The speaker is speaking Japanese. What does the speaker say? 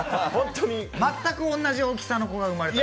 全く同じ大きさの子が生まれたの？